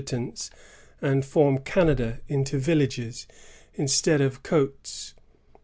[1665 72, itants and form Canada into villages, instead of cStes.